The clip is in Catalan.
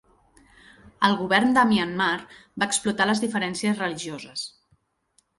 El govern de Myanmar va explotar les diferències religioses.